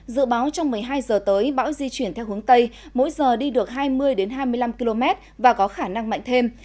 dự báo trong một mươi hai giờ tới bão di chuyển theo hướng tây mỗi giờ đi được hai mươi hai mươi năm km và có khả năng mạnh thêm